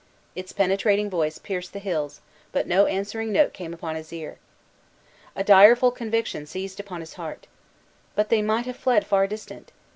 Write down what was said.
Its penetrating voice pierced the hills, but no answering note came upon his ear. A direful conviction seized upon his heart. But they might have fled far distant!